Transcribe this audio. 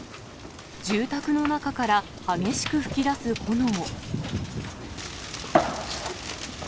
住宅の中から激しく噴き出す炎。